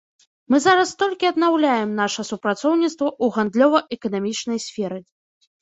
Мы зараз толькі аднаўляем наша супрацоўніцтва ў гандлёва-эканамічнай сферы.